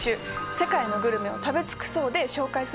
「世界のグルメを食べ尽くそう！」で紹介するメニューに決定！